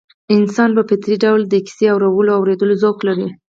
انسان په فطري ډول د کيسې اورولو او اورېدلو ذوق لري